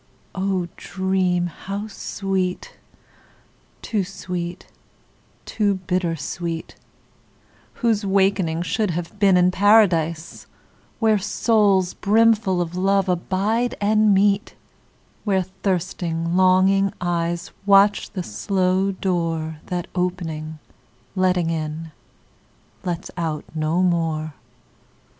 O dream how sweet, too sweet, too bitter sweet, Whose wakening should have been in Paradise, Where souls brimful of love abide and meet; Where thirsting longing eyes Watch the slow door That opening, letting in, lets out no more.